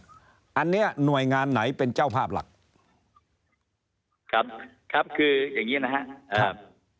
อันนี้หน่วยงานไหนเป็นเจ้าภาพหลักครับครับคืออย่างงี้นะครับ